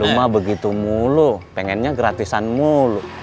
lo mah begitu mulu pengennya gratisan mulu